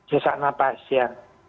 sesak nafas ya